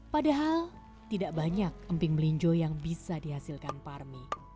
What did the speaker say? padahal tidak banyak emping melinjo yang bisa dihasilkan parmi